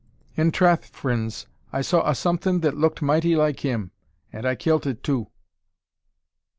"In trath, frinds, I saw a somethin' that looked mighty like him, and I kilt it too."